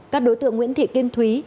các đối tượng nguyễn thị kim thúy